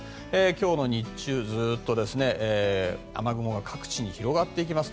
今日の日中、ずっと雨雲が各地に広がっていきます。